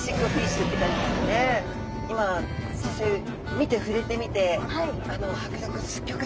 今実際見て触れてみてあの迫力すっギョく